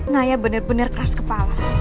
naya bener bener keras kepala